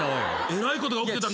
えらいことが起きてた。